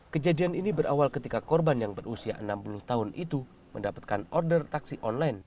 kejadian ini berawal ketika korban yang berusia enam puluh tahun itu mendapatkan order taksi online